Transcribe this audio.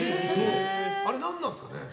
あれ、何なんですかね。